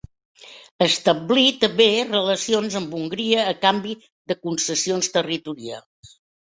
Establí també relacions amb Hongria a canvi de concessions territorials.